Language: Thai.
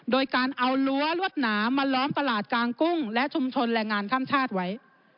โดยการเอารั้วรวดหนามาล้อมตลาดกลางกุ้งและชุมชนแรงงานข้ามชาติไว้